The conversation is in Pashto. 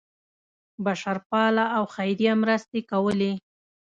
بشرپاله او خیریه مرستې کولې.